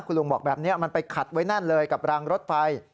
คุณลุงบอกแบบนี้มันไปขัดไว้แน่นเลยกับรางรถไฟ